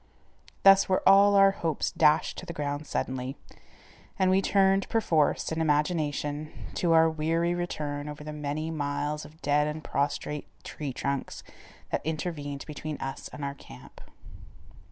Thus were all our hopes dashed to the ground suddenly, and we turned perforce, in imagination, to our weary return over the many miles of dead and prostrate tree trunks that intervened between us and our camp.